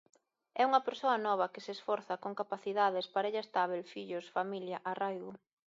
É unha persoa nova, que se esforza, con capacidades, parella estábel, fillos, familia, arraigo.